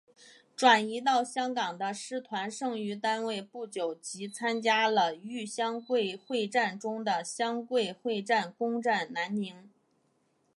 转移到香港的师团剩余单位不久即参加了豫湘桂会战中的湘桂会战攻占南宁。